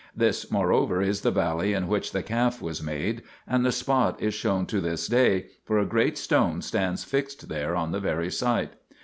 1 This moreover is the valley in which the calf was made, 2 and the spot is shown to this day, for a great stone stands fixed there on the very site.